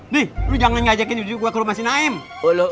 nih lu jangan ngajakin ibu juga ke rumah sini lagi